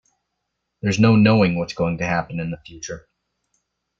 There's no knowing what's going to happen in the future.